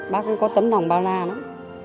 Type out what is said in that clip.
bác có tấm lòng bao la lắm